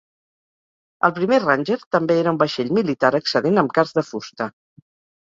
El primer "Ranger" també era un vaixell militar excedent amb casc de fusta.